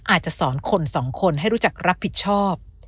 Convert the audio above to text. อาจจะสอนคนสองคนให้รู้จักรับผิดชอบ